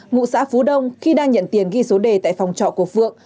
ngụ xã phú đông khi đang nhận tiền ghi số đề tại phòng trọ của phượng